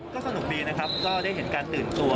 ก็สนุกดีนะครับก็ได้เห็นการตื่นตัว